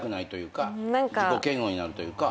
自己嫌悪になるというか。